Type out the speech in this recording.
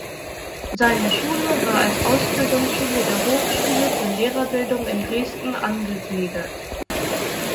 Seine Schule war als Ausbildungsschule der Hochschule für Lehrerbildung in Dresden angegliedert.